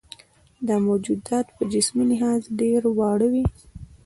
دا موجودات په جسمي لحاظ ډېر واړه وي.